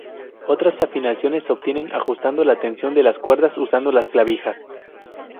Otras afinaciones se obtienen ajustando la tensión de las cuerdas usando las clavijas.